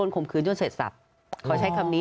ขุมขื้นช่วงเสร็จสับ